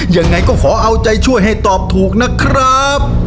ยังไงก็ขอเอาใจช่วยให้ตอบถูกนะครับ